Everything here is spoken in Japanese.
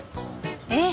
ええ。